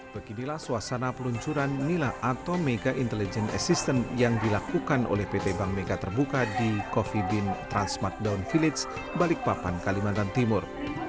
beginilah suasana peluncuran nila atau mega intelligent assistant yang dilakukan oleh pt bank mega terbuka di coffee bean transmart down village balikpapan kalimantan timur